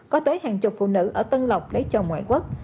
có tới hàng chục phụ nữ ở tân lộc lấy chồng ngoại quốc